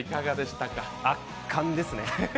圧巻ですね。